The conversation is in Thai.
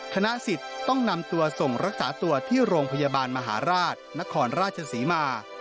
คณะสิทธิ์ต้องนำตัวส่งรักษาตัวที่โรงพยาบาลมหาราชนครราชศรีมา